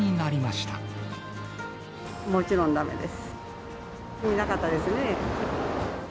見たかったですね。